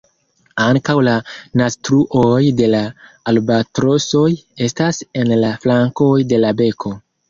Ankaŭ la naztruoj de la albatrosoj estas en la flankoj de la beko.